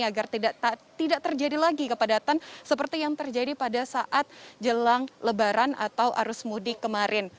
agar tidak terjadi lagi kepadatan seperti yang terjadi pada saat jelang lebaran atau arus mudik kemarin